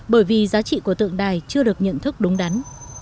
bởi vì giá trị của tượng đài chưa được nhận thức đúng đắn